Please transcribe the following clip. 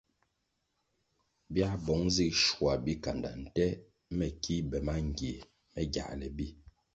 Biā bong zig schua bikanda nte me ki be mangie me giāle bi.